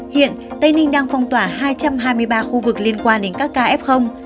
hiện tây ninh đang phong tỏa hai trăm hai mươi ba khu vực liên quan đến các ca f